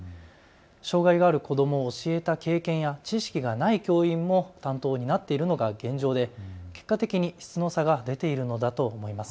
障害がある子どもを教えた経験や知識がない教員も担当になっているのが現状で結果的に質の差が出ているのだと思います。